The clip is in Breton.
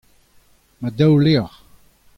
Ma daou levr.